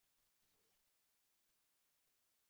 Lliɣ ssneɣ f batta tberrsed.